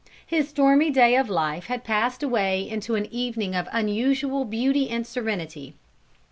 His stormy day of life had passed away into an evening of unusual beauty and serenity.